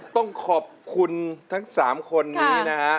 ต้องขอบคุณทั้ง๓คนนี้นะฮะ